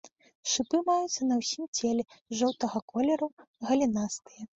Шыпы маюцца на ўсім целе, жоўтага колеру, галінастыя.